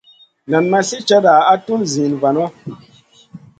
Nan ma sli cata a tun ziyna vanu.